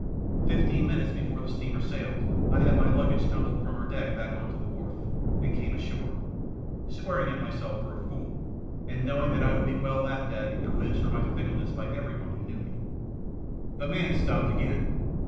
Fifteen minutes before the steamer sailed I had my luggage tumbled from her deck back on to the wharf, and came ashore, swearing at myself for a fool, and knowing that I would be well laughed at and quizzed for my fickleness by every one who knew me." The man stopped again.